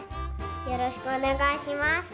よろしくお願いします。